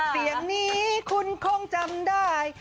เสียงนี้คุณคงจำได้